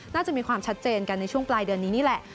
น่าจะมีความชัดเจนกันในช่วงปลายเดือนนี้นี่แหละ